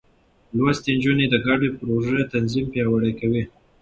لوستې نجونې د ګډو پروژو تنظيم پياوړې کوي.